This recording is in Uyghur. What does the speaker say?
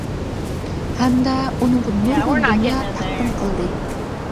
ھەمدە ئۇنىڭغا نۇرغۇن دۇنيا تەقدىم قىلدى.